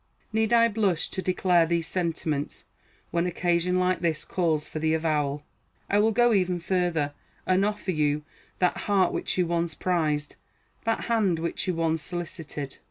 Need I blush to declare these sentiments, when occasion like this calls for the avowal? I will go even further, and offer you that heart which you once prized, that hand which you once solicited.